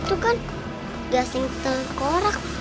itu kan gasing telkorak